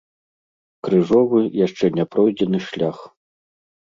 Крыжовы, яшчэ не пройдзены шлях.